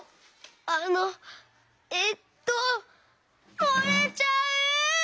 あのえっともれちゃう！